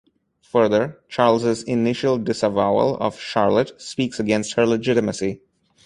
Further, Charles's initial disavowal of Charlotte speaks against her legitimacy.